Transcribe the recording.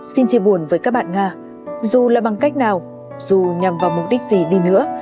xin chia buồn với các bạn nga dù là bằng cách nào dù nhằm vào mục đích gì đi nữa